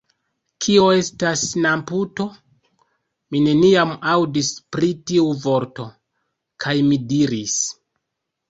Kio estas namputo? Mi neniam aŭdis pri tiu vorto. kaj mi diris: